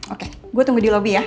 oke gue tunggu di lobby ya